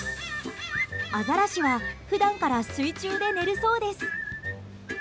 アザラシは普段から水中で寝るそうです。